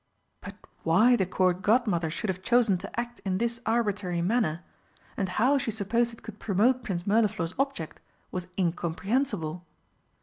But why the Court Godmother should have chosen to act in this arbitrary manner, and how she supposed it could promote Prince Mirliflor's object, was incomprehensible.